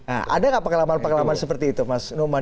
nah ada nggak pengalaman pengalaman seperti itu mas numan